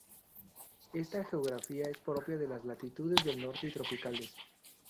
Esta geografía es propia de las latitudes del norte y tropicales.